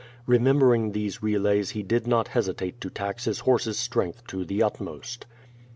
Rememberinir these relaj's he did not hesitate to tax his horse's strength to the utmost.